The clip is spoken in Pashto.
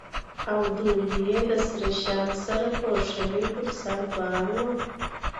او ډولۍ یې د سره شال سره پوښلې پر سر بار وه.